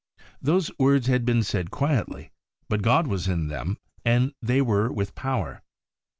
Those words had been said quietly, but God was in them, and they were with power.